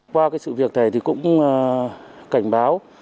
qua cái sự việc này thì cũng cảnh báo